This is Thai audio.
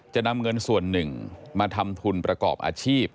จะนำเงินส่วนหนึ่งมาทำทุนประกอบอาชีพ